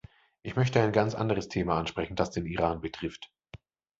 Ich möchte ein ganz anderes Thema ansprechen, das den Iran betrifft.